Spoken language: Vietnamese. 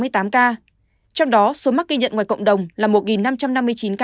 trong đó số mắc ghi nhận ngoài cộng đồng là một năm trăm năm mươi chín ca